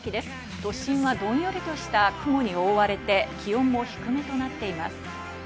都心はどんよりとした雲に覆われて気温も低めとなっています。